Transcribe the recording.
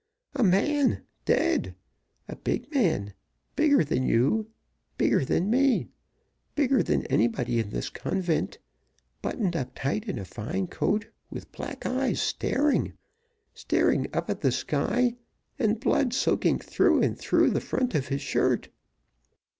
A man dead! a big man; bigger than you, bigger than me, bigger than anybody in this convent buttoned up tight in a fine coat, with black eyes, staring, staring up at the sky, and blood soaking through and through the front of his shirt.